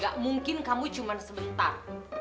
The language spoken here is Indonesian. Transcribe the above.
gak mungkin kamu cuma sebentar